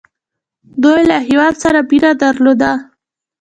دوی له هیواد سره مینه درلوده.